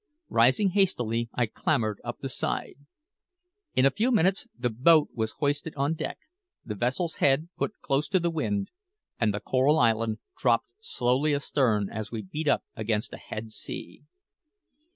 Rising hastily, I clambered up the side. In a few minutes the boat was hoisted on deck, the vessel's head put close to the wind, and the Coral Island dropped slowly astern as we beat up against a head sea.